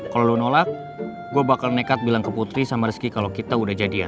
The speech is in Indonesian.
kalau lo nolak gue bakal nekat bilang ke putri sama rizky kalau kita udah jadi ya